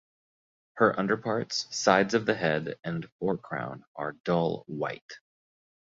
Her underparts, sides of the head and forecrown are dull white.